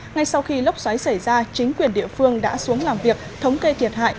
ngay sau khi lốc xoáy xảy ra chính quyền địa phương đã xuống làm việc thống kê thiệt hại